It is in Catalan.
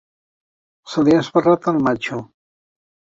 Se li ha esbarrat el matxo.